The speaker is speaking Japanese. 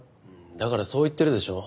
だからそう言ってるでしょ。